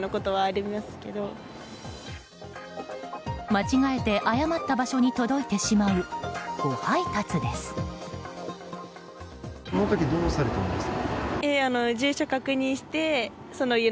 間違えて誤った場所に届いてしまう誤配達です。